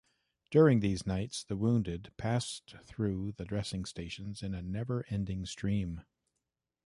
During these nights the wounded passed through the dressing stations in a never-ending stream.